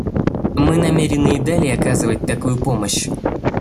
Мы намерены и далее оказывать такую помощь.